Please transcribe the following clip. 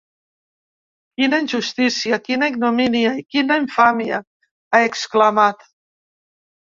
Quina injustícia, quina ignomínia i quina infàmia!, ha exclamat.